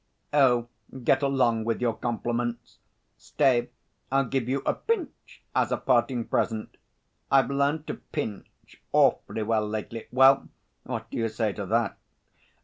"Oh, get along with your compliments! Stay, I'll give you a pinch as a parting present. I've learnt to pinch awfully well lately. Well, what do you say to that?